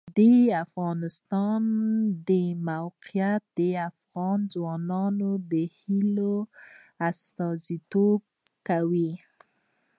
د افغانستان د موقعیت د افغان ځوانانو د هیلو استازیتوب کوي.